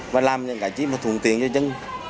và làm những cái gì mà thùng tiền cho chứng